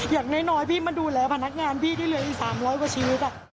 อย่างน้อยพี่มาดูแลพนักงานพี่ได้เหลืออีก๓๐๐กว่าชีวิต